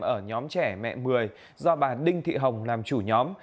ở nhóm trẻ mẹ một mươi do bà đinh thị hồng làm chủ nhóm